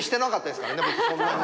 僕そんなに。